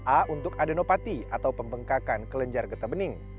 a untuk adenopati atau pembengkakan kelenjar getah bening